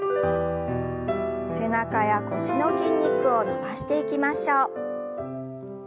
背中や腰の筋肉を伸ばしていきましょう。